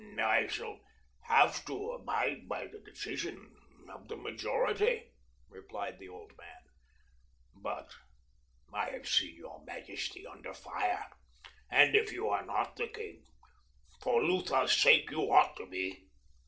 "I shall have to abide by the decision of the majority," replied the old man. "But I have seen your majesty under fire, and if you are not the king, for Lutha's sake you ought to be."